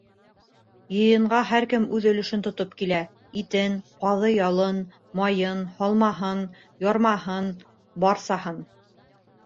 Йыйынға һәр кем үҙ өлөшөн тотоп килә: итен, ҡаҙы-ялын, майын, һалмаһын, ярмаһын — барсаһын.